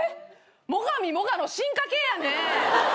最上もがの進化形やね。